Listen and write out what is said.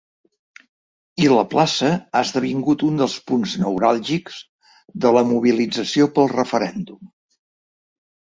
I la plaça ha esdevingut un dels punts neuràlgics de la mobilització pel referèndum.